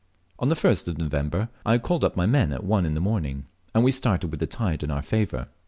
On the 1st of November I called up my men at one in the morning, and we started with the tide in our favour.